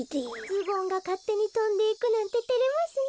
ズボンがかってにとんでいくなんててれますね。